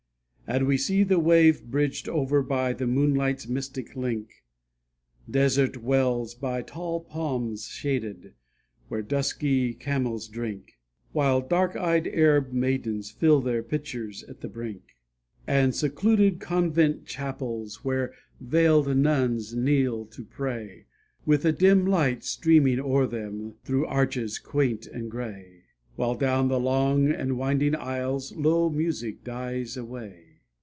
And we see the wave bridged over By the moonlight's mystic link, Desert wells by tall palms shaded, Where dusky camels drink; While dark eyed Arab maidens Fill their pitchers at the brink. And secluded convent chapels, Where veiled nuns kneel to pray, With a dim light streaming o'er them Through arches quaint and gray, While down the long and winding aisles Low music dies away.